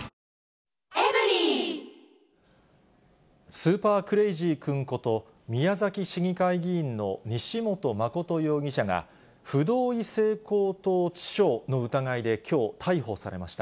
スーパークレイジー君こと、宮崎市議会議員の西本誠容疑者が、不同意性交等致傷の疑いできょう、逮捕されました。